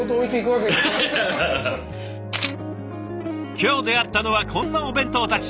今日出会ったのはこんなお弁当たち。